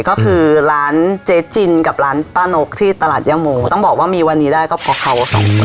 ก็คือร้านเจ๊จินกับร้านป้านกที่ตลาดย่าโมต้องบอกว่ามีวันนี้ได้ก็เพราะเขาอะค่ะ